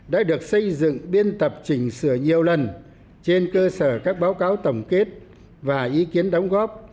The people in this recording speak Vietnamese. đã được xây dựng biên tập chỉnh sửa nhiều lần trên cơ sở các báo cáo tổng kết và ý kiến đóng góp